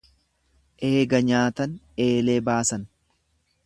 Eega nyaatan eegee baasan.